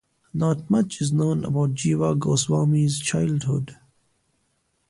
Not much is known about Jiva Goswami's childhood.